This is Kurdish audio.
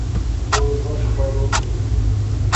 Roj baş xalo.